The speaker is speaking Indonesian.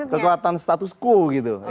kekuatan status quo gitu